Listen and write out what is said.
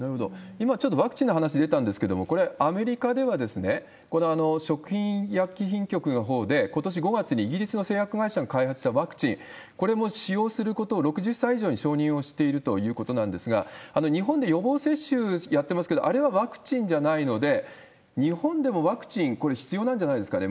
今ちょっと、ワクチンの話出たんですけれども、これ、アメリカでは、この食品医薬品局のほうで、ことし５月にイギリスの製薬会社が開発したワクチン、これも使用することを、６０歳以上に承認をしているということなんですが、日本で予防接種やってますけど、あれはワクチンじゃないので、日本でもワクチン、これ、必要なんじゃないですかね？